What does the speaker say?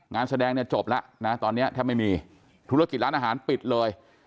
งานแสดงเนี่ยจบแล้วนะตอนนี้แทบไม่มีธุรกิจร้านอาหารปิดเลย